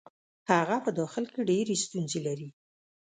هغه په داخل کې ډېرې ستونزې لري.